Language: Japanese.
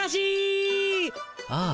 ああ